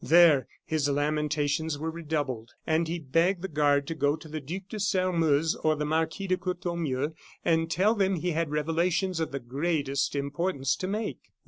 There, his lamentations were redoubled; and he begged the guard to go to the Duc de Sairmeuse, or the Marquis de Courtornieu, and tell them he had revelations of the greatest importance to make.